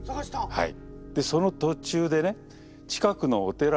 はい。